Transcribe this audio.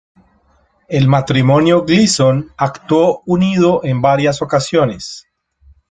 El matrimonio Gleason actuó unido en varias ocasiones.